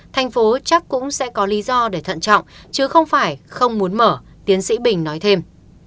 thành phố chắc cũng sẽ có lý do để thận trọng chứ không phải không muốn mở tiến sĩ bình nói thêm